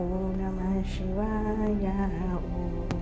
โอนามาชิวายาโอ